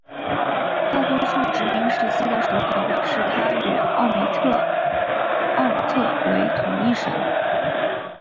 大多数殖民时期的手稿表示她与奥梅特奥特尔为同一神。